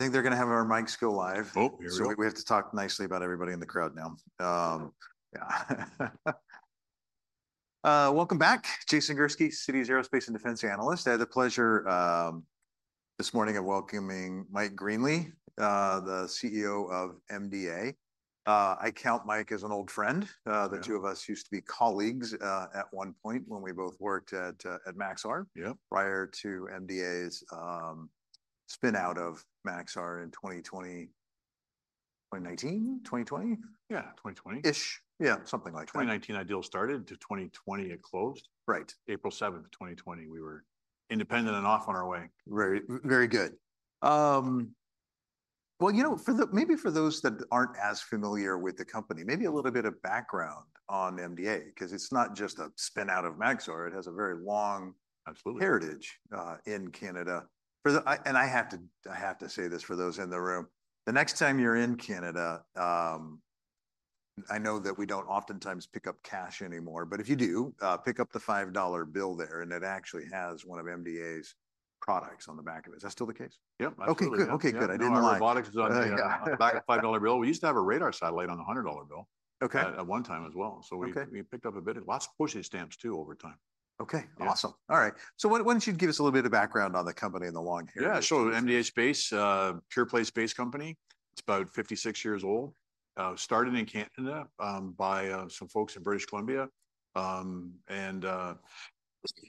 Think they're going to have our mics go live. So we have to talk nicely about. Everybody in the crowd now. Yeah. Welcome back. Jason Gursky, Citi's aerospace and defense analyst. I had the pleasure this morning of welcoming Mike Greenley, the CEO of MDA. I count Mike as an old friend. The two of us used to be colleagues at one point when we both worked at Maxar prior to MDA's spin out of Maxar in 2020. 2019. 2020. Yeah. 2020. Ish. Yeah, something like that. 2019. It all started to 2020. It closed Right. April 7, 2020. We were independent and off on our way. Very, very good. Well, you know, maybe for those that aren't as familiar with the company, maybe a little bit of background on MDA, because it's not just a spin out of Maxar. It has a very long heritage in Canada. Absolutely. And I have to say this for those in the room, the next time you're in Canada. I know that we don't oftentimes pick up cash anymore, but if you do pick up the $5 bill there and it actually has one of MDA's products on the back of it, is that still the case? Yeah. Okay. Okay, good. I didn't want to buy a $5 bill. We used to have a radar satellite on $100 bill. Okay. At one time as. So we picked up a bit of lots of pushing stamps too, over time. Okay, awesome. All right, so why don't you give us a little bit of background on the company in the long. Yeah. So MDA Space, pure-play space-based company, it's about 56 years old, started in Canada by some folks in British Columbia and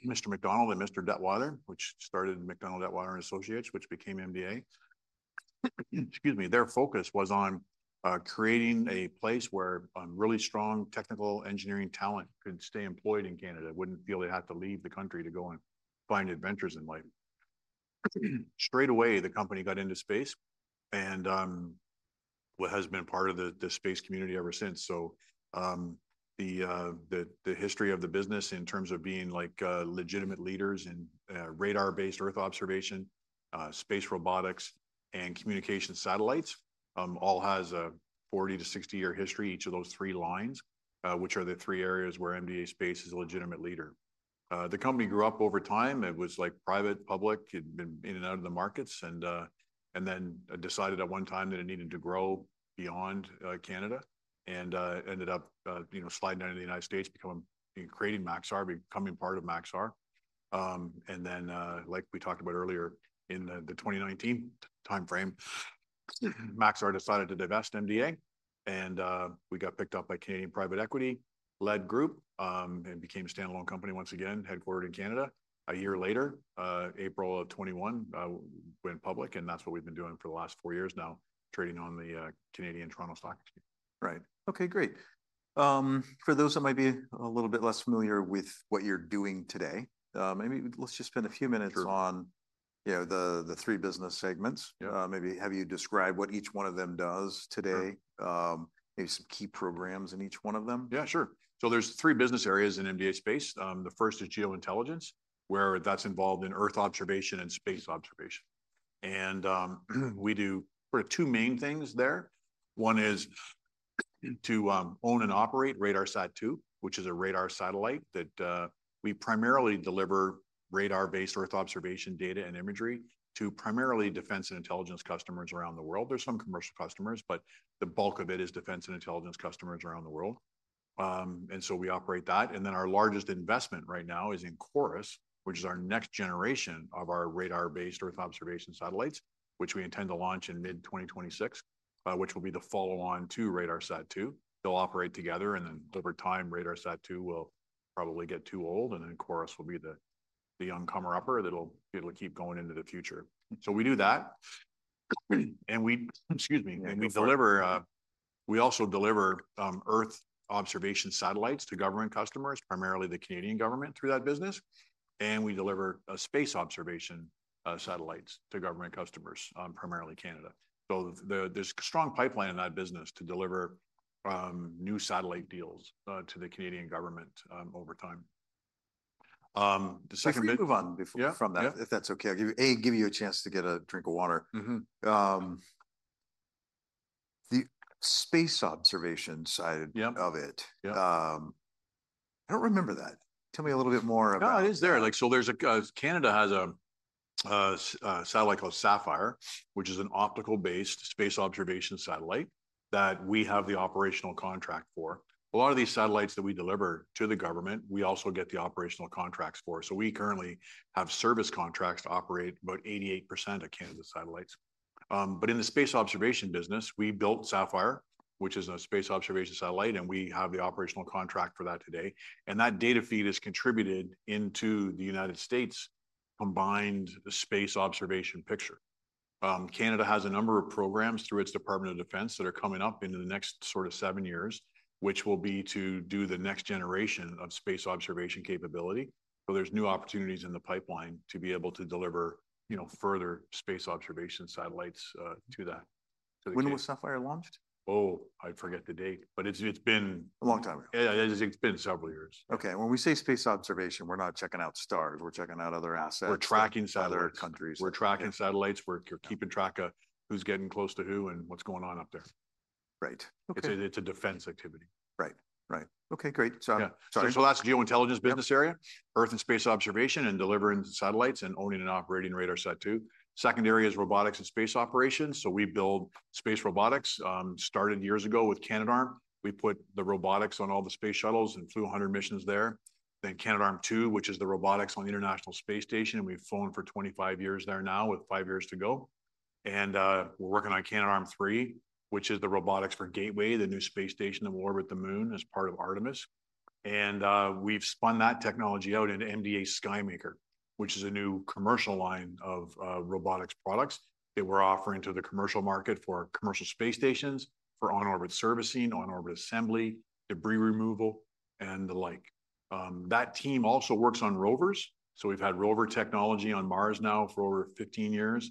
Mr. MacDonald and Mr. Dettwiler, which started MacDonald, Dettwiler and Associates, which became MDA, excuse me. Their focus was on creating a place where really strong technical engineering talent could stay employed in Canada, wouldn't feel they have to leave the country to go and find adventures in life. Straight away, the company got into space and has been part of the space community ever since. So the history of the business in terms of being like legitimate leaders in radar-based Earth observation, space robotics and communication satellites, all has a 40- to 60-year history. Each of those three lines, which are the three areas where MDA Space is a legitimate leader. The company grew up over time. It was like private, public. It'd been in and out of the markets and then decided at one time that it needed to grow beyond Canada and ended up sliding down the United States, creating Maxar, becoming part of Maxar. And then like we talked about earlier, in the 2019 timeframe, Maxar decided to divest MDA and we got picked up by Canadian private equity led group and became a standalone company once again headquartered in Canada. A year later, April of 2021 went public. And that's what we've been doing for the last four years now, trading on the Canadian Toronto stock. Right. Okay, great. For those that might be a little bit less familiar with what you're doing today, maybe let's just spend a few minutes on, you know, the three business segments. Maybe have you describe what each one of them does today? Maybe some key programs in each one of them? Yeah, sure. So there's three business areas in MDA Space. The first is Geointelligence, where that's involved in Earth observation and space observation. We do two main things there. One is to own and operate RADARSAT-2, which is a radar satellite that we primarily deliver radar based Earth observation data and imagery to primarily defense and intelligence customers around the world. There's some commercial customers, but the bulk of it is defense and intelligence customers around the world. So we operate that. Our largest investment right now is in CHORUS, which is our next generation of our radar based Earth observation satellites which we intend to launch in mid-2026, which will be the follow on to RADARSAT-2. They'll operate together and then over time RADARSAT-2 will probably get too old and then CHORUS will be the one coming up that'll keep it going into the future. So we do that and we. Excuse me. And we deliver. We also deliver Earth observation satellites to government customers, primarily the Canadian government through that business. And we deliver space observation satellites to government customers, primarily Canada. So there's a strong pipeline in that business to deliver new satellite deals to the Canadian government over time. Move on before from that if that's okay. I'll give you a chance to get a drink of water. The space observation side of it. I don't remember that. Tell me a little bit more. Canada has a satellite called Sapphire, which is an optical-based space observation satellite that we have the operational contract for. A lot of these satellites that we deliver to the government. We also get the operational contracts for. So we currently have service contracts to operate about 88% of Canada's satellites. But in the space observation business we built Sapphire, which is a space observation satellite and we have the operational contract for that today. And that data feed is contributed into the United States combined space observation picture. Canada has a number of programs through its Department of Defence that are coming up into the next sort of seven years, which will be to do the next generation of space observation capability. So there's new opportunities in the pipeline to be able to deliver, you know, further space observation satellites to that. When was Sapphire launched? Oh, I forget the date, but it's been A long time. Yeah, it's been several years. Okay. When we say space observation, we're not checking out stars, we're checking out other assets. We're tracking satellite constellations, we're tracking satellites, we're keeping track of who's getting close to who and what's going on up there. Right. It's a defense activity. Right, right. Okay, great. So, yeah. Sorry. So that's Geointelligence business area, Earth and space observation and delivering satellites and owning and operating RADARSAT-2. Secondary is robotics and space operations. So we build space robotics. Started years ago with Canadarm. We put the robotics on all the space shuttles and flew 100 missions there. Then Canadarm2, which is the robotics on the International Space Station. And we've flown for 25 years there now with five years to go. And we're working on Canadarm3, which is the robotics for Gateway, the new space station that will orbit the moon as part of Artemis. And we've spun that technology out into MDA SKYMAKER, which is a new commercial line of robotics products that we're offering to the commercial market for commercial space stations, for on-orbit servicing, on-orbit assembly, debris removal and the like. That team also works on rovers. We've had rover technology on Mars now for over 15 years.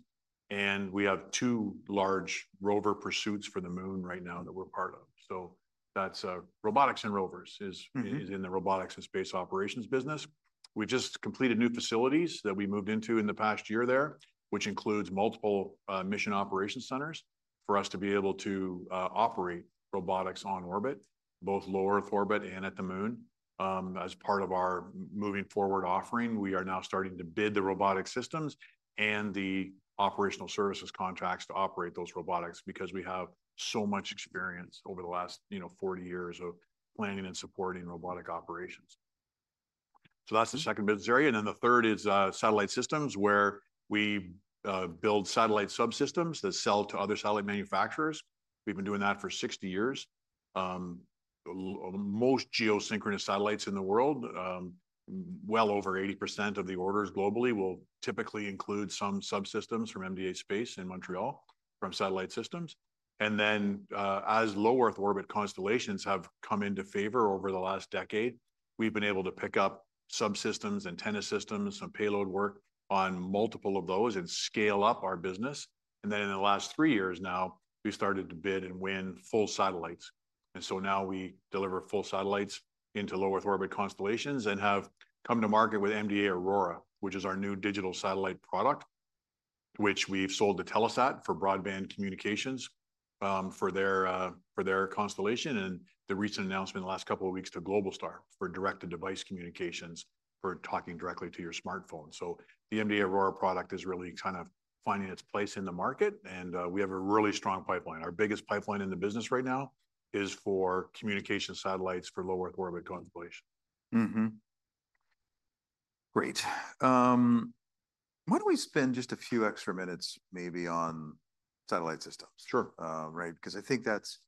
And we have two large rover pursuits for the Moon right now that we're part of. So that's robotics and rovers is in the robotics and space operations business. We just completed new facilities that we moved into in the past year there, which includes multiple mission operations centers for us to be able to operate robotics on orbit, both low-Earth orbit and at the Moon. As part of our moving forward offering, we are now starting to bid the robotic systems and the operational services contracts to operate those robotics because we have so much experience over the last 40 years of planning and supporting robotic operations. So that's the second business area. And then the third is satellite systems where we build satellite subsystems that sell to other satellite manufacturers. We've been doing that for 60 years. Most geosynchronous satellites in the world, well over 80% of the orders globally, will typically include some subsystems from MDA Space in Montreal from satellite systems. And then as low Earth orbit constellations have come into favor over the last decade, we've been able to pick up subsystems, antenna systems, some payload work on multiple of those and scale up our business. And then in the last three years now, we started to bid and win full satellites. And so now we deliver full satellites into low Earth orbit constellations and have come to market with MDA AURORA, which is our new digital satellite product, which we've sold to Telesat for broadband communications for their, for their constellation. And the recent announcement last couple of weeks to Globalstar for direct-to-device communications for talking directly to your smartphone. So the MDA AURORA product is really kind of finding its place in the market. And we have a really strong pipeline. Our biggest pipeline in the business right now is for communication satellites for low Earth orbit constellation. Great. Why don't we spend just a few extra minutes maybe on satellite systems? Sure. Right. Because I think that's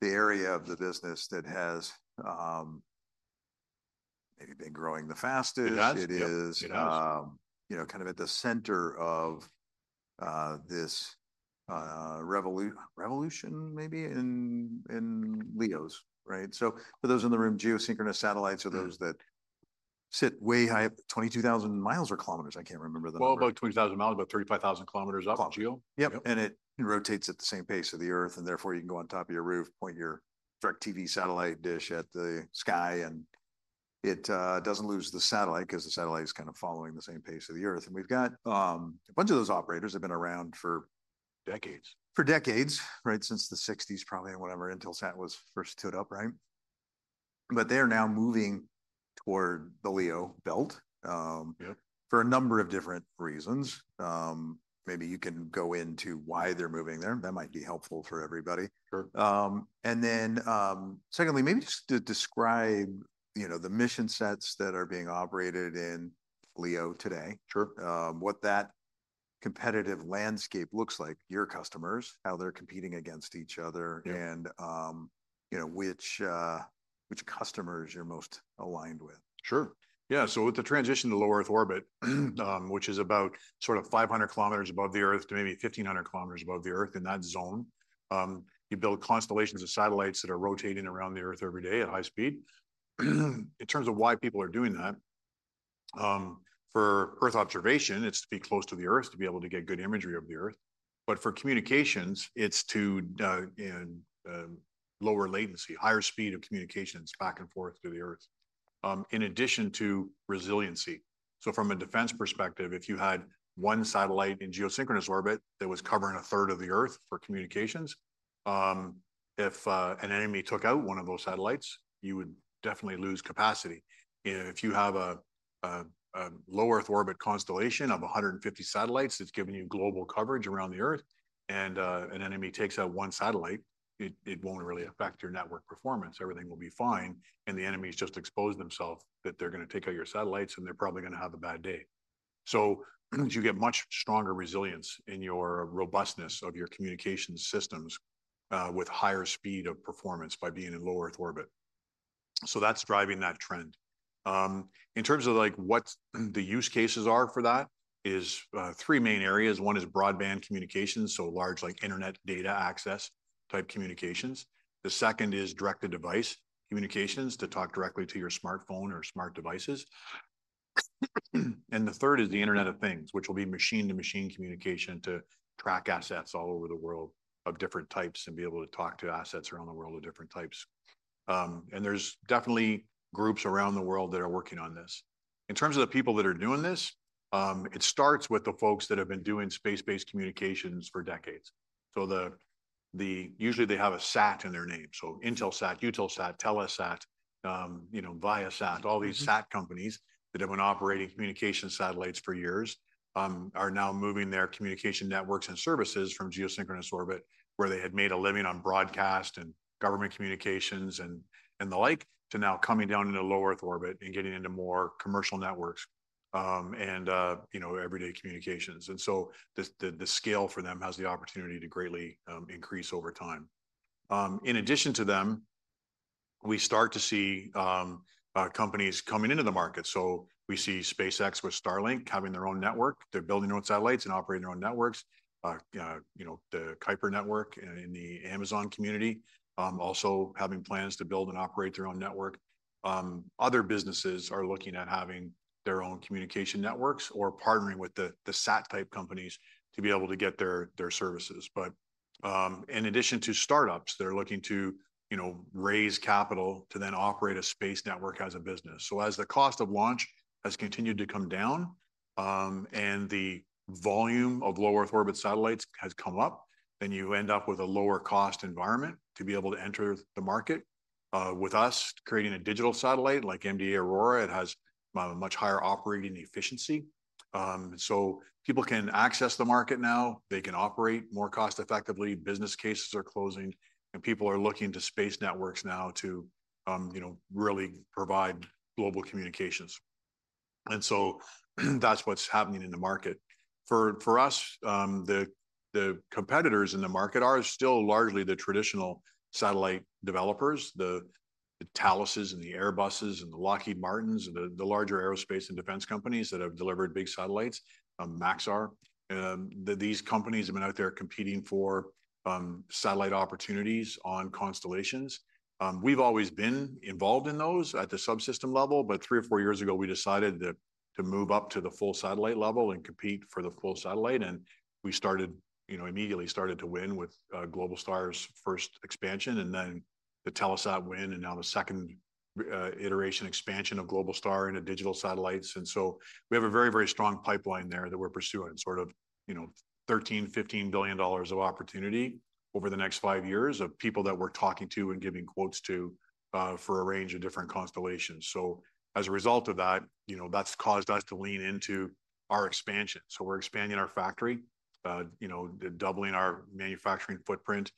the area of the business that has. Maybe been growing the fastest. It is, you know, kind of at the center of this revolution. Revolution, maybe in LEOs. Right. So for those in the room, geosynchronous satellites are those that sit way high up 22,000 miles or kilometers. I can't remember them. Well, about 20,000 mi, about 35,000 km up GEO. Yep. And it rotates at the same pace of the Earth. And therefore you can go on top of your roof, point your DirecTV satellite dish at the sky and it doesn't lose the satellite because the satellite is kind of following the same pace of the Earth. And we've got a bunch of those operators have been around for decades. Right. Since the 1960s, probably whenever Intelsat was first stood up. Right. But they are now moving toward the LEO belt for a number of different reasons. Maybe you can go into why they're moving there. That might be helpful for everybody. Sure. And then secondly, maybe just to describe, you know, the mission sets that are being operated in LEO today. Sure. What that competitive landscape looks like, your customers, how they're competing against each other, and you know, which customers you're most aligned with? Sure. Yeah. So with the transition to low Earth orbit, which is about sort of 500 kilometers above the Earth, to maybe 1500 kilometers above the Earth, in that zone, you build constellations of satellites that are rotating around the Earth every day at high speed. In terms of why people are doing that. For Earth observation, it's to be close to the Earth to be able to get good imagery of the Earth. But for communications, it's to lower latency, higher speed of communications back and forth to the Earth in addition to resiliency. So from a defense perspective, if you had one satellite in geosynchronous orbit that was covering a third of the Earth for communications, if an enemy took out one of those satellites, you would definitely lose capacity. If you have a low Earth Orbit constellation of 150 satellites that's giving you global coverage around the Earth, and an enemy takes out one satellite, it won't really affect your network performance. Everything will be fine and the enemies just expose themselves that they're going to take out your satellites and they're probably going to have a bad day. So you get much stronger resilience in your robustness of your communication systems with higher speed of performance by being in low Earth Orbit. That's driving that trend in terms of like what the use cases are for, that is three main areas. One is broadband communications so large like Internet data access type communications. The second is direct to device communications to talk directly to your smartphone or smart devices. And the third is the Internet of Things which will be machine to machine communication to track assets all over the world of different types and be able to talk to assets around the world of different types. And there's definitely groups around the world that are working on this. In terms of the people that are doing this, it starts with the folks that have been doing space-based communications for decades. So usually they have a SAT in their name. So Intelsat, Eutelsat, Telesat, you know, Viasat, all these SAT companies that have been operating communication satellites for years are now moving their communication networks and services from geosynchronous orbit, where they had made a living on broadcast and government communications and the like, to now coming down into low Earth orbit and getting into more commercial networks and you know, everyday communications. The scale for them has the opportunity to greatly increase. In addition to them, we start to see companies coming into the market, so we see SpaceX with Starlink having their own network, they're building their own satellites and operating their own networks. You know, the Kuiper network in the Amazon company also having plans to build and operate their own network. Other businesses are looking at having their own communication networks or partnering with the SAT type companies to be able to get their services, but in addition to startups, they're looking to raise capital to then operate a space network as a business. As the cost of launch has continued to come down and the volume of low Earth Orbit satellites has come up, then you end up with a lower cost environment to be able to enter the market with us creating a digital satellite like MDA AURORA. It has a much higher operating efficiency so people can access the market now. They can operate more cost effectively. Business cases are closing and people are looking to space networks now to really provide global communications, and so that's what's happening in the market for us. The competitors in the market are still largely the traditional satellite developers. The Thales and the Airbus and the Lockheed Martin and the larger aerospace and defense companies that have delivered big satellites. Maxar, these companies have been out there competing for satellite opportunities on constellations. We've always been involved in those at the subsystem level. But three or four years ago we decided to move up to the full satellite level and compete for the full satellite. And we started, you know, immediately started to win with Globalstar's first expansion and then the Telesat win and now the second iteration expansion of Globalstar into digital satellites. And so we have a very, very strong pipeline there that we're pursuing sort of, you know, $13 billion-$15 billion of opportunity over the next five years of people that we're talking to and giving quotes to for a range of different constellations. So as a result of that, you know, that's caused us to lean into our expansion. So we're expanding our factory, you know, doubling our manufacturing footprint,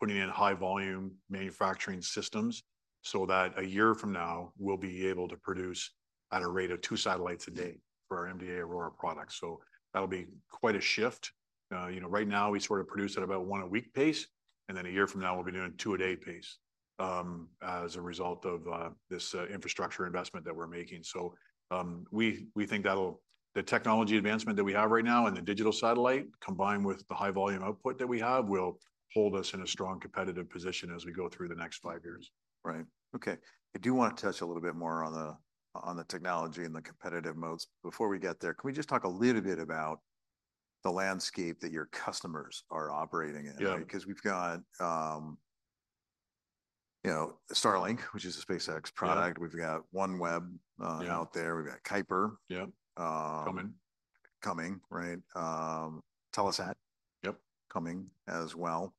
putting in high volume manufacturing systems so that a year from now we'll be able to produce at a rate of two satellites a day for our MDA AURORA products. So that'll be quite a shift. You know, right now we sort of produce at about one a week pace and then a year from now we'll be doing two a day pace as a result of this infrastructure investment that we're making. So we think that'll the technology advancement that we have right now and the digital satellite combined with the high volume output that we have will hold us in a strong competitive position as we go through the next five years. Right, okay. I do want to touch a little bit more on the, on the technology and the competitive modes before we get there. Can we just talk a little bit about the landscape that your customers are operating in? Because we've got. You know, Starlink, which is a SpaceX product. We've got OneWeb out there. We've got Kuiper. Yep, coming. Coming. Right, Telesat. Yep. Coming as well.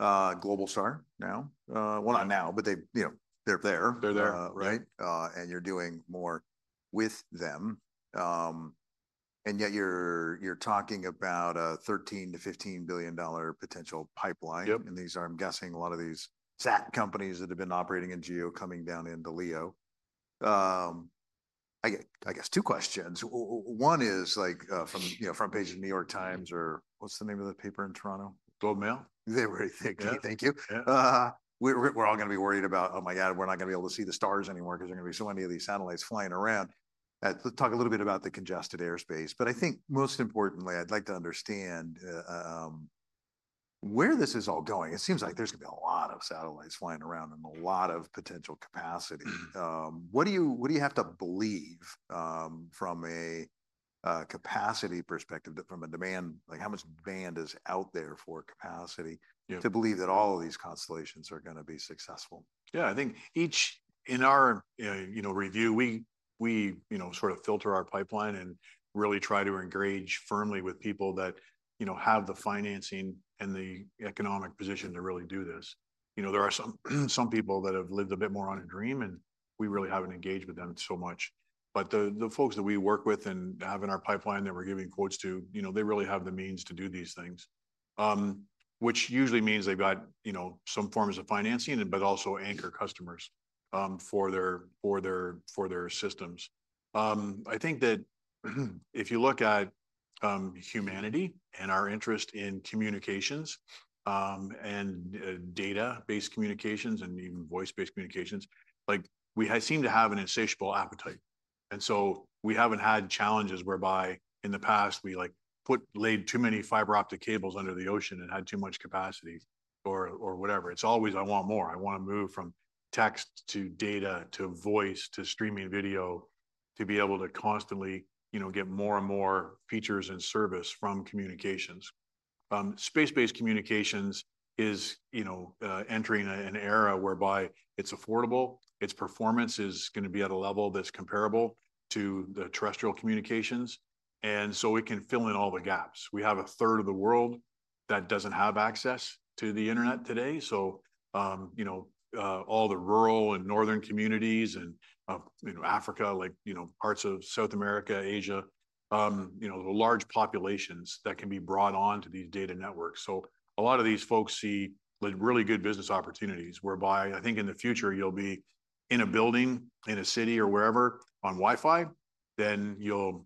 Globalstar now. Well, not now, but they, you know, they're there, they're there. Right. And you're doing more with them. And yet you're, you're talking about a $13billion-$15 billion potential pipeline. And these are, I'm guessing, a lot of these SAT companies that have been operating in geo, coming down into LEO. I get, I guess, two questions. One is like from, you know, front pages of New York Times or what's the name of the paper in Toronto? Globe and Mail. They were, thank you. We're all going to be worried about, oh my God, we're not going to be able to see the stars. Anymore because there are going to be. So many of these satellites flying around. Let's talk a little bit about the congested airspace but I think most importantly I'd like to understand. Where this is all going. It seems like there's going to be a lot of satellites flying around and a lot of potential capacity. What do you have to believe from a capacity perspective, from a demand, like how much demand is out there for capacity to believe that all of these constellations are going to be successful? Yeah, I think each in our, you know, review we you know sort of filter our pipeline and really try to engage firmly with people that you know have the financing and the economic position to really do this. You know, there are some people that have lived a bit more on a dream and we really haven't engaged with them so much. But the folks that we work with and have in our pipeline that we're giving quotes to, you know, they really have the means to do these things which usually means they've got, you know, some forms of financing but also anchor customers for their systems. I think that if you look at humanity and our interest in communications and data based communications and even voice based communications, like we seem to have an insatiable appetite. And so we haven't had challenges whereby in the past we like laid too many fiber optic cables under the ocean and had too much capacity or whatever. It's always I want more. I want to move from text to data to voice to streaming video, to be able to constantly get more and more features and service from communications. Space-based communications is, you know, entering an era whereby it's affordable. Its performance is going to be at a level that's comparable to the terrestrial communications and so it can fill in all the gaps. We have a third of the world that doesn't have access to the Internet today. So you know, all the rural and northern communities and you know, Africa, like, you know, parts of South America, Asia, you know, large populations that can be brought on to these data networks. So, a lot of these folks see really good business opportunities whereby I think in the future you'll be in a building, in a city or wherever on Wi-Fi, then you'll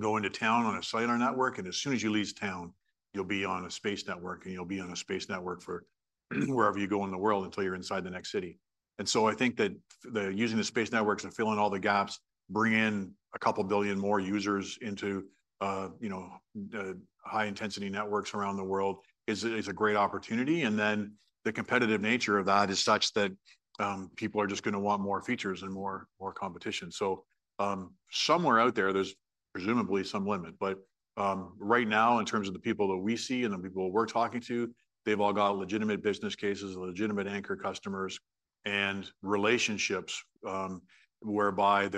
go into town on a cellular network, and as soon as you leave town you'll be on a space network. And you'll be on a space network for wherever you go in the world until you're inside the next city. And so I think that the using the space networks to fill in all the gaps, bring in a couple billion more users into, you know, high intensity networks around the world is a great opportunity. And then the competitive nature of that is such that people are just going to want more features and more, more competition. So somewhere out there there's presumably some limit. But right now in terms of the people that we see and the people we're talking to, they've all got legitimate business cases, legitimate anchor customers and relationships whereby.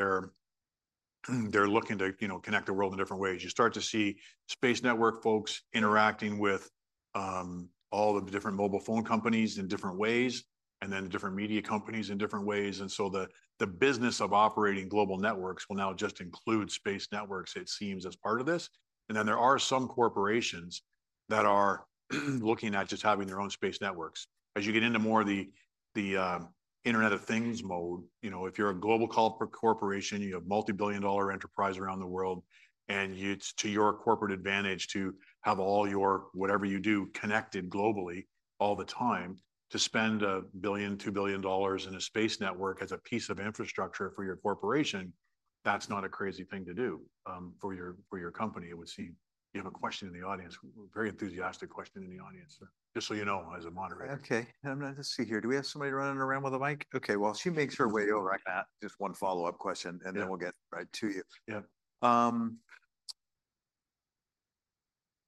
They're looking to connect the world in different ways. You start to see space network folks interacting with all the different mobile phone companies in different ways and then different media companies in different ways. And so the business of operating global networks will now just include space networks it seems as part of this. And then there are some corporations that are looking at just having their own space networks as you get into more of the Internet of Things mode. If you're a global corporation, you have multi-billion-dollar enterprise around the world and it's to your corporate advantage to have all your, whatever you do connected globally all the time. To spend $1 billion-$2 billion in a space network as a piece of infrastructure for your corporation, that's not a crazy thing to do for your company. It would seem. You have a question in the audience. Very enthusiastic question in the audience. Just so you know, as a. Okay, I'm going to see here, do we have somebody running around with a mic? Okay, well she makes her way over. Just one follow up question and then we'll get right to you. Yeah.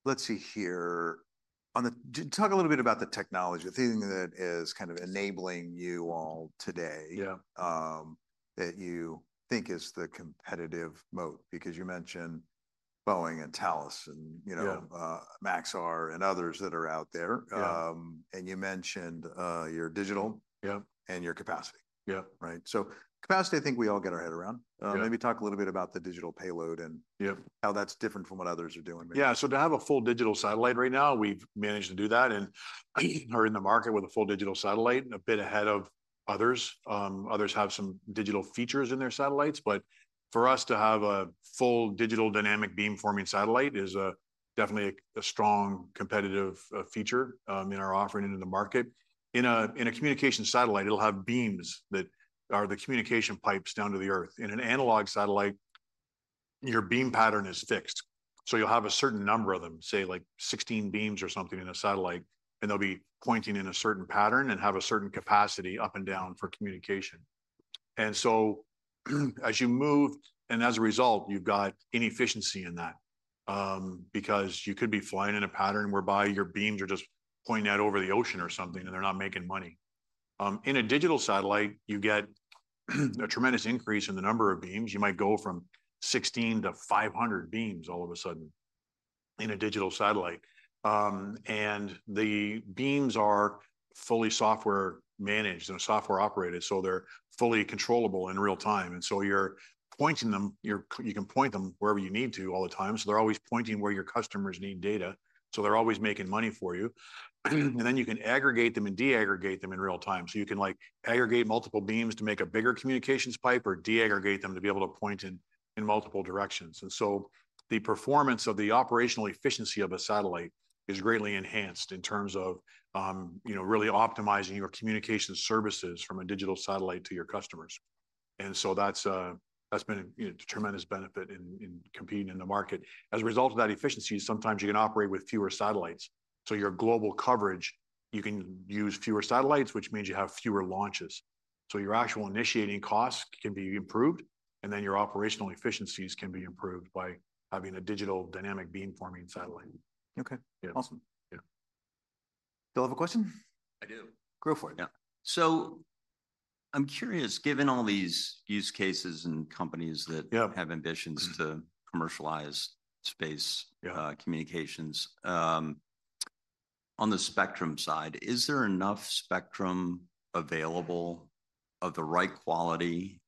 Let's see here, want to talk a little bit about the technology. The thing that is kind of enabling you all today. That you think is the competitive moat because you mentioned Boeing and Thales and you know, Maxar and others that are out there and you mentioned your digital and your capacity. Yeah. Right. So capacity I think we all get our head around, maybe talk a little bit about the digital payload and how that's different from what others are doing? Yeah. So to have a full digital satellite. Right now we've managed to do that and are in the market with a full digital satellite a bit ahead of others. Others have some digital features in their satellites. But for us to have a full digital dynamic beamforming satellite is definitely a strong competitive feature in our offering into the market. In a communication satellite, it'll have beams that are the communication pipes down to the earth. In an analog satellite, your beam pattern is fixed. So you'll have a certain number of them, say like 16 beams or something in a satellite, and they'll be pointing in a certain pattern and have a certain capacity up and down for communication. As you move, and as a result, you've got inefficiency in that because you could be flying in a pattern whereby your beams are just pointing out over the ocean or something and they're not making money. In a digital satellite, you get a tremendous increase in the number of beams. You might go from 16 to 500 beams all of a sudden in a digital satellite. The beams are fully software managed and software operated. So they're fully controllable in real time. You're pointing them. You can point them wherever you need to all the time. So they're always pointing where your customers need data. So they're always making money for you. Then you can aggregate them and de-aggregate them in real time. So you can like aggregate multiple beams to make a bigger communications pipe or de-aggregate. Aggregate them to be able to point in multiple directions. The performance of the operational efficiency of a satellite is greatly enhanced in terms of, you know, really optimizing your communication services from a digital satellite to your customers. That's been tremendous benefit in competing in the market. As a result of that efficiency, sometimes you can operate with fewer satellites. Your global coverage, you can use fewer satellites, which means you have fewer launches. Your actual initiating costs can be improved and then your operational efficiencies can be improved by having a digital dynamic beamforming satellite. Okay. Awesome. Yeah. Still have a question? I do. Go for it. Yeah, so I'm curious, given all these use cases and companies that have ambitions to commercialize space communications. On the spectrum side, is there enough spectrum available of the right quality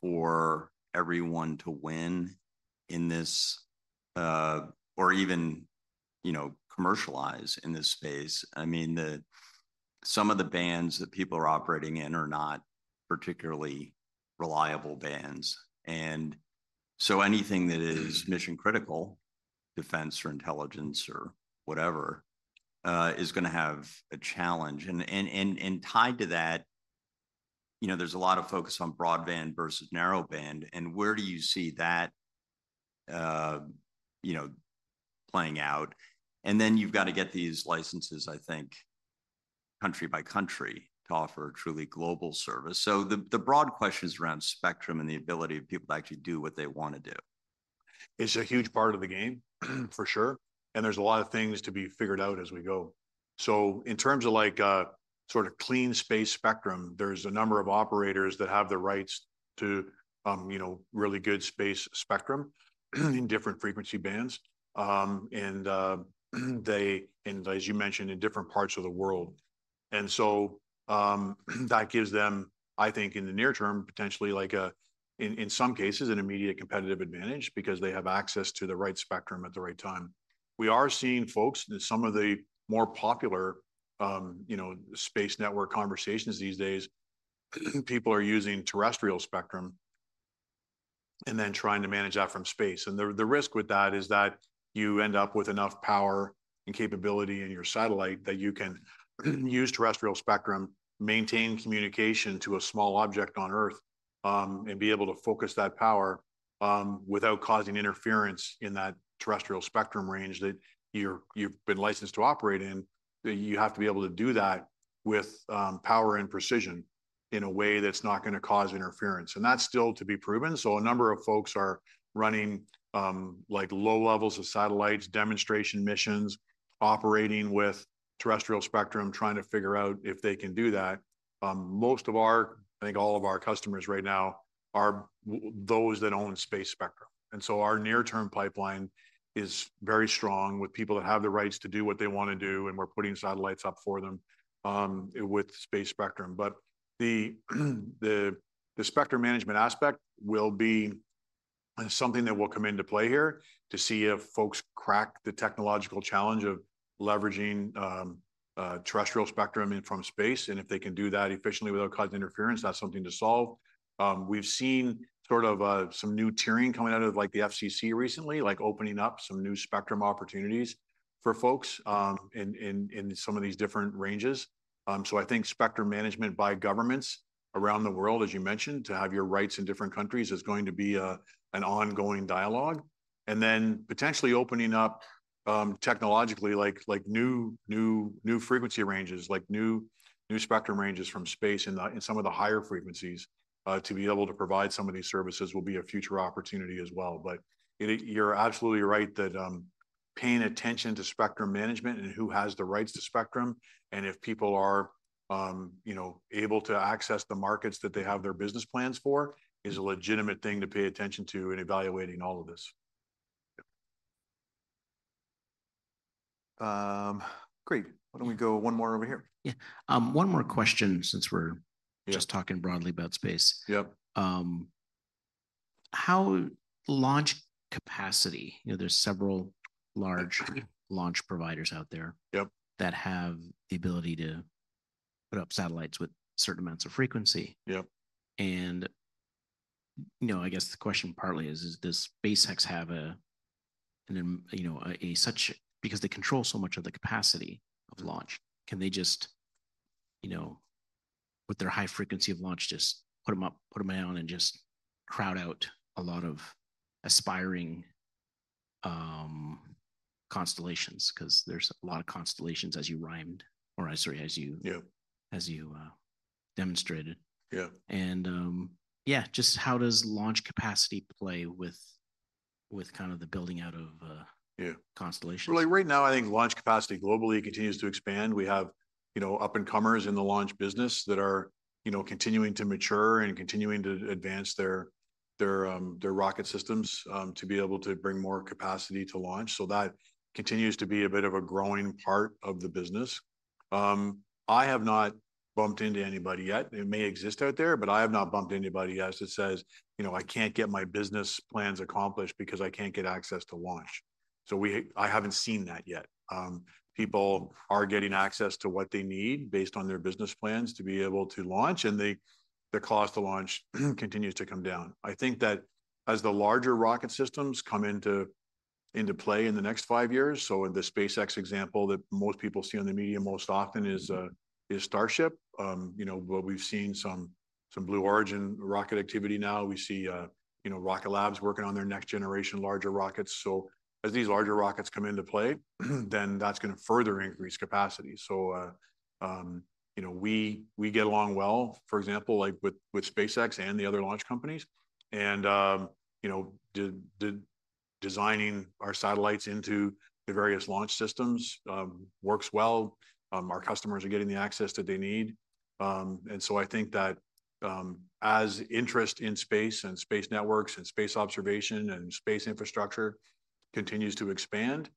for everyone to win in this or even commercialize in this space? I mean, some of the bands that people are operating in are not particularly reliable bands. And so anything that is mission critical defense or intelligence or whatever is going to have a challenge, and tied to that. You know, there's a lot of focus on broadband versus narrowband. And where do you see that? You know, playing out. And then you've got to get these licenses, I think, country by country to offer truly global service. So the broad question is around spectrum and the ability of people to actually do what they want to do. It's a huge part of the game for sure, and there's a lot of things to be figured out as we go. So in terms of like sort of clean space spectrum, there's a number of operators that have the rights to, you know, really good space spectrum in different frequency bands and they, and as you mentioned, in different parts of the world. And so that gives them, I think in the near term, potentially like a, in some cases an immediate competitive advantage because they have access to the right spectrum at the right time. We are seeing folks, some of the more popular space network conversations these days. People are using terrestrial spectrum and then trying to manage that from space. And the risk with that is that you end up with enough power and capability in your satellite that you can use terrestrial spectrum, maintain communication to a small object on earth and be able to focus that power without causing interference in that terrestrial spectrum range that you've been licensed to operate in. You have to be able to do that with power and precision in a way that's not going to cause interference. And that's still to be proven. So a number of folks are running like low levels of satellites, demonstration missions, operating with terrestrial spectrum, trying to figure out if they can do that. Most of our, I think all of our customers right now are those that own space spectrum. And so our near term pipeline is very strong with people that have the rights to do what they want to do. We're putting satellites up for them with space spectrum. But the spectrum management aspect will be something that will come into play here to see if folks crack the technological challenge of leveraging terrestrial spectrum and from space. And if they can do that efficiently without causing interference, that's something to solve. We've seen sort of some new tiering coming out of like the FCC recently, like opening up some new spectrum opportunities for folks in some of these different ranges. So I think spectrum management by governments around the world, as you mentioned, to have your rights in different countries is going to be an ongoing dialogue and then potentially opening up technologically like new frequency ranges, like new spectrum ranges from space in some of the higher frequencies. To be able to provide some of these services will be a future opportunity as well. But you're absolutely right that paying attention to spectrum management and who has the rights to spectrum and if people are, you know, able to access the markets that they have their business plans for is a legitimate thing to pay attention to in evaluating all of this. Great. Why don't we go one more over here? Yeah. One more question since we're just talking broadly about space. Yep. How's launch capacity? You know, there's several large launch providers out there that have the ability to put up satellites with certain amounts of frequency. And you know, I guess the question partly is this. SpaceX have a, you know, a lock because they control so much of the capacity of launch. Can they just, you know, with their high frequency of launch, just put them up, put them down and just crowd out a lot of aspiring constellations. Because there's a lot of constellations. Sorry, as you. Yeah, as you demonstrated. Just how does launch capacity play with kind of the building out of constellations? Well, right now I think launch capacity globally continues to expand. We have, you know, up and comers in the launch business that are, you know, continuing to mature and continuing to advance their rocket systems to be able to bring more capacity to launch. So that continues to be a bit of a growing part of the business. I have not bumped into anybody yet. It may exist out there, but I have not bumped anybody. As it says, I can't get my business plans accomplished because I can't get access to launch. So I haven't seen that yet. People are getting access to what they need based on their business plans to be able to launch and the cost to launch continues to come down. I think that as the larger rocket systems come into play in the next five years. So the SpaceX example that most people see on the media most often is Starship, you know, but we've seen some Blue Origin rocket activity. Now we see, you know, Rocket Lab working on their next generation larger rockets. As these larger rockets come into play, then that's going to further increase capacity. You know, we get along well. For example, like with SpaceX and the other launch companies and you know, designing our satellites into the various launch systems works well. Our customers are getting the access that they need. I think that as interest in space and space networks and space observation and space infrastructure continues to expand,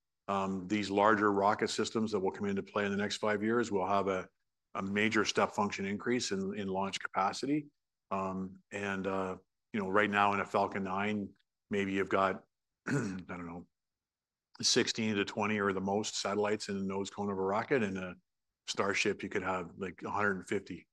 these larger rocket systems that will come into play in the next five years will have a major step function increase in launch capacity. You know, right now in a Falcon 9 maybe you've got, I don't know, 16 to 20 or the most satellites in the nose cone of a rocket and a Starship. You could have like 150,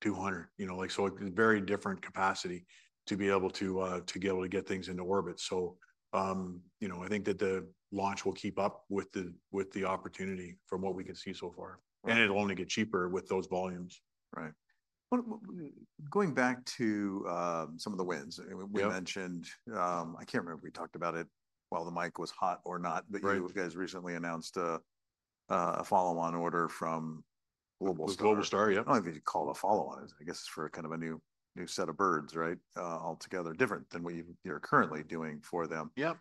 200, you know, like so very different capacity to be able to, to be able to get things into orbit. You know, I think that the launch will keep up with the, with the opportunity from what we can see so far. It will only get cheaper with those volumes. Right. Going back to some of the wins we mentioned, I can't remember if we talked about it while the mic was hot or not, but you guys recently announced a follow on order from Globalstar. Yeah, I think you call it a follow on I guess for kind of a new, new set of birds. Right. Altogether different than what you're currently doing for them. Yeah.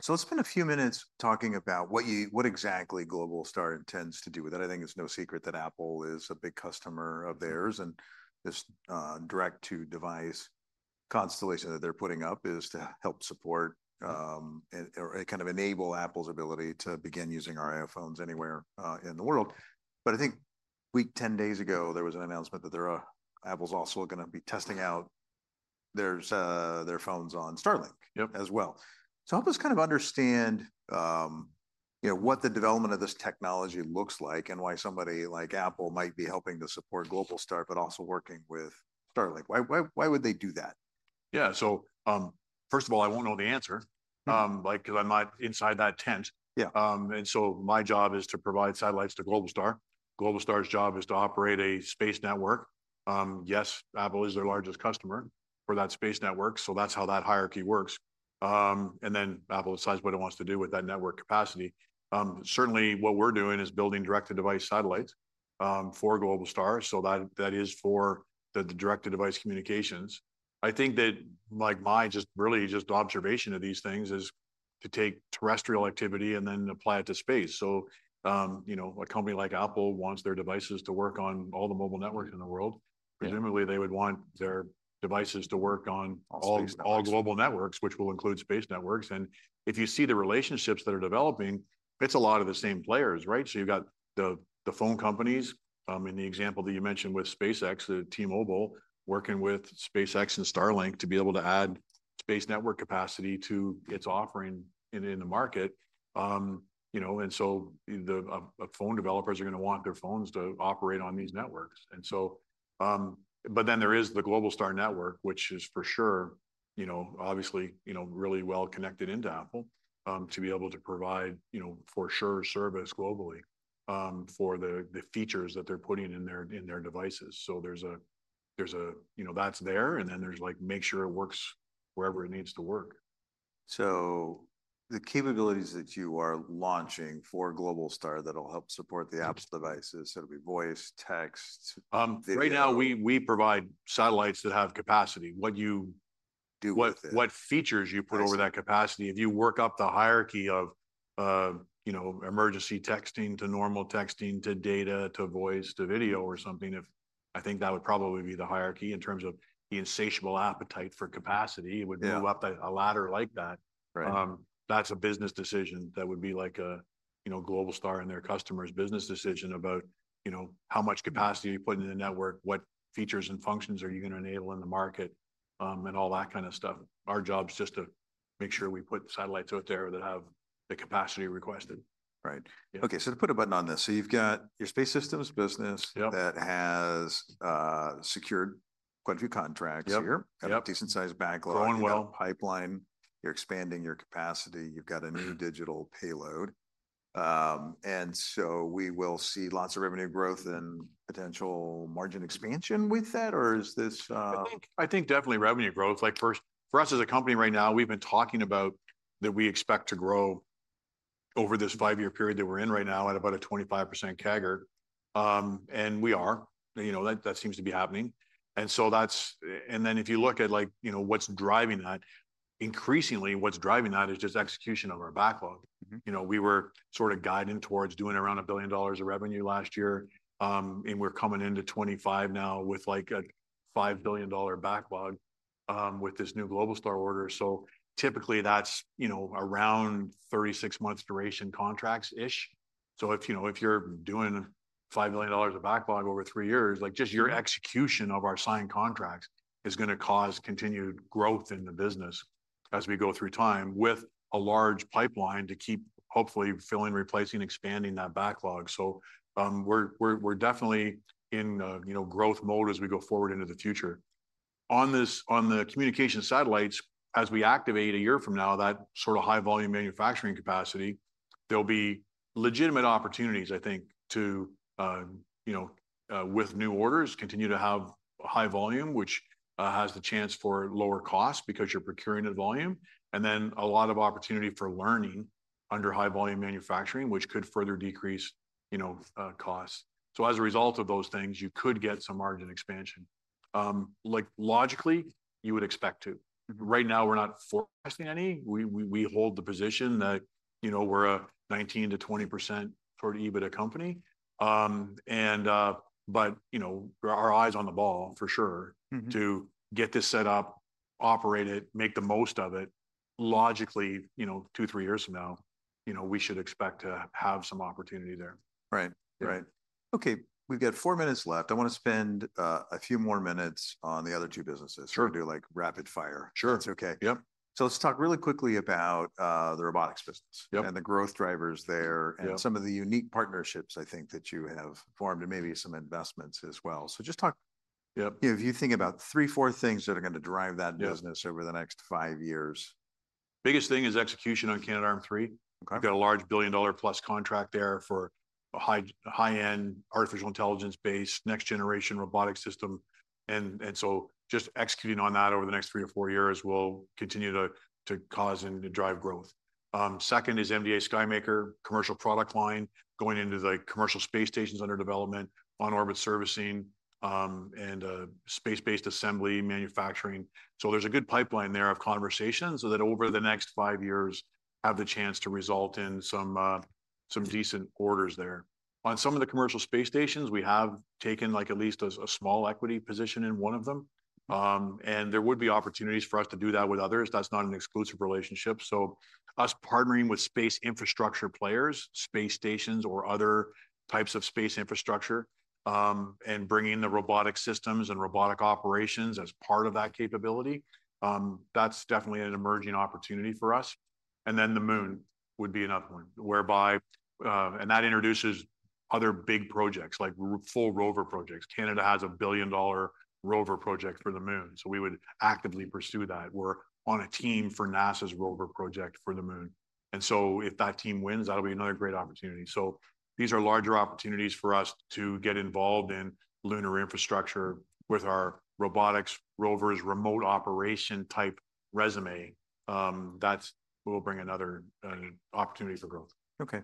So let's spend a few minutes talking about what you, what exactly Globalstar intends to do with it. I think it's no secret that Apple is a big customer of theirs and this direct to device constellation that they're putting up is to help support or kind of enable Apple's ability to begin using our iPhones anywhere in the world. But I think a week, 10 days ago there was an announcement that Apple's also going to be testing out their phones on Starlink as well. So help us kind of understand. What the development of this technology looks like and why somebody like Apple might be helping to support Globalstar but also working with Starlink. Why? Why would they do that? Yeah, so first of all, I won't know the answer like because I'm not inside that tent. Yeah. And so my job is to provide satellites to Globalstar. Globalstar's job is to operate a space network. Yes. Apple is their largest customer for that space network. So that's how that hierarchy works. And then Apple decides what it wants to do with that network capacity. Certainly what we're doing is building direct to device satellites for Globalstar. So that is for the direct to device communications. I think that like my just really observation of these things is to take terrestrial activity and then apply it to space. So you know, a company like Apple wants their devices to work on all the mobile networks in the world. Presumably they would want their devices to work on all global networks, which will include space networks. If you see the relationships that are developing, it's a lot of the same players. Right. So you've got the phone companies in the example that you mentioned with SpaceX, the T-Mobile working with SpaceX and Starlink to be able to add space network capacity to its offering in the market. You know, and so the phone developers are going to want their phones to operate on these networks and so but then there is the Globalstar network which is for sure, you know, obviously, you know, really well connected into Apple to be able to provide, you know, for sure service globally for the features that they're putting in their devices. So there's a, you know, that's there and then there's like make sure it works wherever it needs to. So the capabilities that you are launching for Globalstar, that'll help support the Apple devices that'll be voice text. Right now we provide satellites that have capacity. What you do, what features you put over that capacity. If you work up the hierarchy of you know, emergency texting to normal texting to data to voice to video or something, if I think that would probably be the hierarchy in terms of the insatiable appetite for capacity, it would move up a ladder like that. Right. That's a business decision that would be like a, you know, Globalstar and their customers business decision about, you know, how much capacity are you putting in the network, what features and functions are you going to enable in the market and all that kind of stuff. Our job is just to make sure we put satellites out there that have the capacity requested. Right, okay. So to put a button on this, so you've got your space systems business that has secured quite a few contracts here, decent sized backlog pipeline, you're expanding your capacity, you've got a new digital payload and so we will see lots of revenue growth and potential margin expansion with that. Or is this, I think, I think definitely revenue growth like first for us as a company right now we've been talking about that. We expect to grow over this five-year period that we're in right now at about a 25% CAGR. And we are, you know, that seems to be happening. And so that's, and then if you look at like, you know, what's driving that, increasingly what's driving that is just execution of our backlog. You know, we were sort of guiding towards doing around $1 billion of revenue last year and we're coming into 2025 now with like a $5 billion backlog with this new Globalstar order. So typically that's you know, around 36 months duration contracts. So if, you know, if you're doing $5 million of backlog over three years, like just your execution of our signed contracts is going to cause continued growth in the business as we go through time with a large pipeline to keep hopefully filling, replacing, expanding that backlog so we're definitely in, you know, growth mode as we go forward into the future on this, on the communication satellites as we activate a year from now that sort of high volume manufacturing capacity. There'll be legitimate opportunities I think to you know, with new orders, continue to have high volume which has the chance for lower cost because you're procuring at volume and then a lot of opportunity for learning under high volume manufacturing which could further decrease, you know, costs. So, as a result of those things, you could get some margin expansion, like logically you would expect to. Right now, we're not forecasting any. We hold the position that, you know, we're a 19%-20% sort of EBITDA company, and but you know, our eyes on the ball for sure to get this set up, operate it, make the most of it. Logically, you know, two, three years from now, you know, we should expect to have some opportunity. Right. Right. Okay, we've got four minutes left. I want to spend a few more minutes on the other two businesses. Sure. Do like rapid fire. Sure. It's okay. Yep So let's talk really quickly about the robotics business and the growth drivers there and some of the unique partnerships. I think that you have formed too, maybe some investments as well. So, just talk. Yeah. If you think about three, four things that are going to drive that business over the next five years. Biggest thing is execution on Canadarm3. We've got a large $1 billion-plus contract there for a high, high-end artificial intelligence-based next-generation robotic system. And so just executing on that over the next three or four years will continue to cause and drive growth. Second is MDA SKYMAKER commercial product line going into the commercial space stations under development, on-orbit servicing, and space-based assembly manufacturing. So there's a good pipeline there of conversations so that over the next five years have the chance to result in some decent orders there on some of the commercial space stations. We have taken like at least a small equity position in one of them and there would be opportunities for us to do that with others. That's not an exclusive relationship. So, us partnering with space infrastructure players, space stations or other types of space infrastructure and bringing the robotic systems and robotic operations as part of that capability. That's definitely an emerging opportunity for us. The Moon would be another one, whereby that introduces other big projects like full rover projects. Canada has a 1 billion dollar rover project for the Moon, so we would actively pursue that. We're on a team for NASA's rover project for the Moon. If that team wins, that'll be another great opportunity. These are larger opportunities for us to get involved in lunar infrastructure with our robotics rovers, remote operation-type systems. That will bring another opportunity for growth. Okay.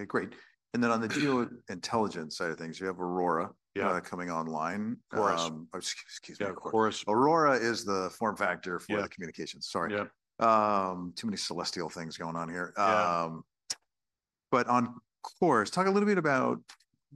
Okay, great. And then on the Geointelligence side of things, you have AURORA. Yeah. Coming online. Course. Excuse AURORA is the form factor for the communications. Sorry, too many celestial things going on here. But on CHORUS, talk a little bit about,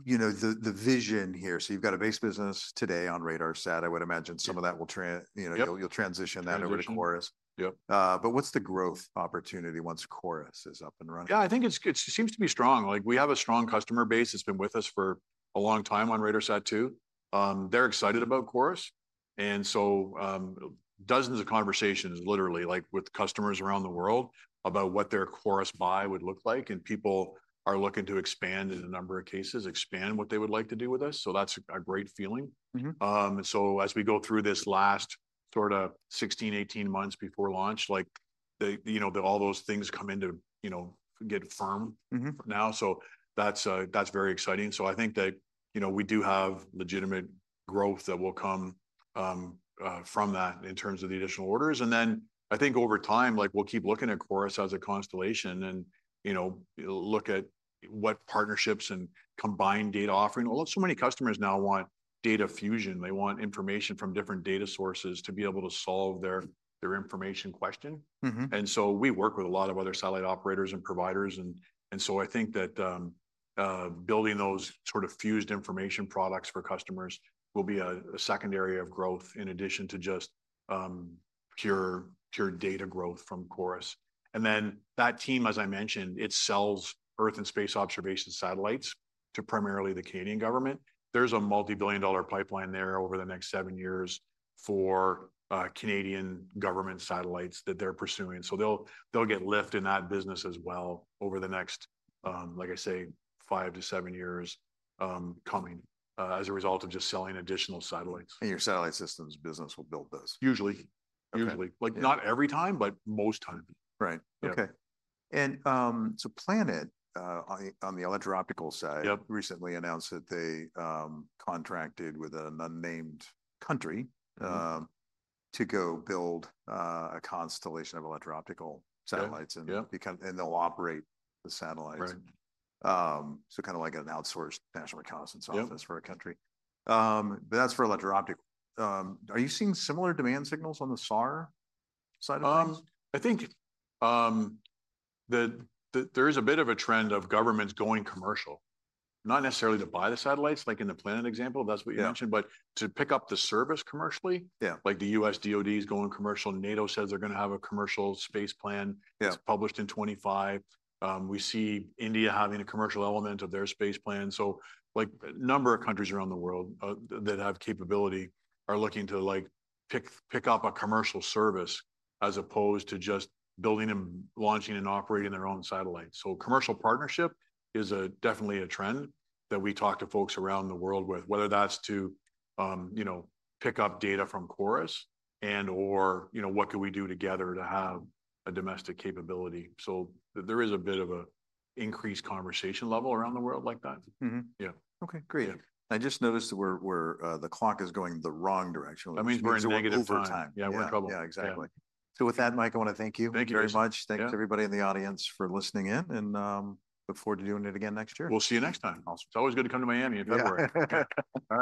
you know, the vision here. So you've got a base business today on RADARSAT. I would imagine some of that will, you know, you'll transition that over to CHORUS. Yep. But what's the growth opportunity once CHORUS is up and running? Yeah, I think it's, it seems to be strong. Like we have a strong customer base that's been with us for a long time on RADARSAT-2. They're excited about CHORUS. And so dozens of conversations literally like with customers around the world about what their CHORUS buy would look like. And people are looking to expand in a number of cases, expand what they would like to do with us. So that's a great feeling. So as we go through this last sort of 16-18 months before launch, like the, you know, all those things come into, you know, get firm now. So that's, that's very exciting. So I think that, you know, we do have legitimate growth that will come from that in terms of the additional orders. And then I think over time, like we'll keep looking at CHORUS as a constellation and you know, look at what partnerships and combined data offering. Well, so many customers now want data fusion. They want information from different data sources to be able to solve their their information question. And so we work with a lot of other satellite operators and providers and and so I think that building those sort of fused information products for customers will be a second area of growth in addition to just pure pure data growth from CHORUS. And then that team, as I mentioned, it sells Earth and space observation satellites to primarily the Canadian government. There's a multibillion-dollar pipeline there over the next seven years for Canadian government satellites that they're pursuing. So they'll get lift in that business as well over the next, like I say, five to seven years coming as a result of just selling. Additional satellites And your satellite systems business will build. Usually, like not every time, but most times. Right, okay. And so Planet on the Electro-Optical side recently announced that they contracted with an unnamed country to go build a constellation of Electro-Optical satellites and become. And they'll operate the satellites. So kind of like an outsourced National Reconnaissance Office for a country, but that's for Electro-Optical. Are you seeing similar demand signals on the SAR side of things? I think there is a bit of a trend of governments going commercial, not necessarily to buy the satellites like in the Planet example, that's what you mentioned, but to pick up the service commercially. Yeah. Like the U.S. DoD is going commercial. NATO says they're going to have a commercial space plan. It's published in 2025. We see India having a commercial element of their space plan. So, like, a number of countries around the world that have capability are looking to like, pick up a commercial service as opposed to just building and launching and operating their own satellite. So commercial partnership is definitely a trend that we talk to folks around the world with, whether that's to, you know, pick up data from CHORUS. Or, you know, what could we do together to have a domestic capability. So there is a bit of an increased conversation level around the world like that. Yeah. Okay great. I just noticed that we're. The clock is going the wrong direction. That means we're in negative time. Yeah, we're in trouble. Yeah, exactly. So with that, Mike, I want to thank you very much thanks, everybody in the audience, for listening in, and look forward to doing it again next year. We'll see you next time. It's always good to come to Miami in February. All right.